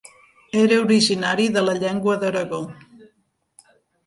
Era originari de la Llengua d'Aragó.